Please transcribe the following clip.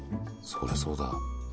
そりゃそうだ。